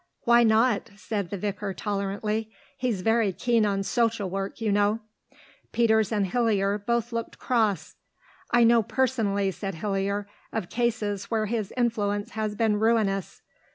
"Why not?" said the vicar tolerantly. "He's very keen on social work, you know." Peters and Hillier both looked cross. "I know personally," said Hillier, "of cases where his influence has been ruinous."